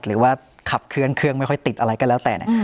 หรือว่าขับเครื่องไม่ค่อยติดอะไรก็แล้วแต่